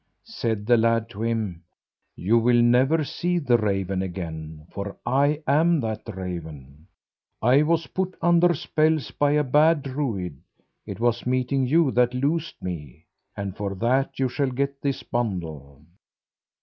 Said the lad to him, "You will never see the raven again, for I am that raven. I was put under spells by a bad druid; it was meeting you that loosed me, and for that you shall get this bundle.